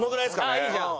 あっいいじゃん。